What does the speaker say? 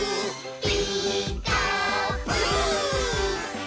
「ピーカーブ！」